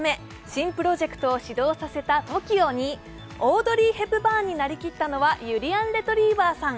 新プロジェクトを始動させたＴＯＫＩＯに、オードリー・ヘプバーンになりきったのは、ゆりやんレトリィバァさん。